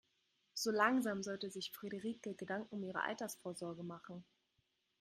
So langsam sollte sich Frederike Gedanken um ihre Altersvorsorge machen.